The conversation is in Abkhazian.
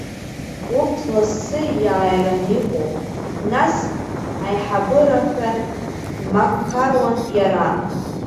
Урҭ лассы иаараны иҟоуп, нас иҳаибарбап ҳәа дмақаруан иара.